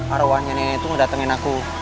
arawahnya nenek tuh ngedatengin aku